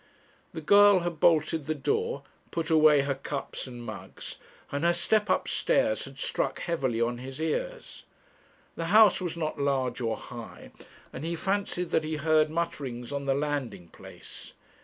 The girl had bolted the door, put away her cups and mugs, and her step upstairs had struck heavily on his ears. The house was not large or high, and he fancied that he heard mutterings on the landing place.